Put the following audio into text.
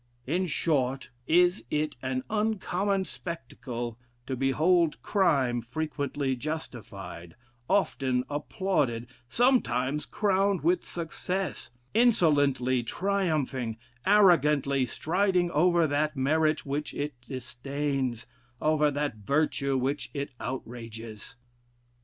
In short, is it an uncommon spectacle to behold crime frequently justified, often applauded, sometimes crowned with success, insolently triumphing, arrogantly striding over that merit which it disdains, over that virtue which it outrages?